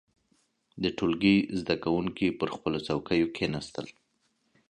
• د ټولګي زده کوونکي پر خپلو څوکيو کښېناستل.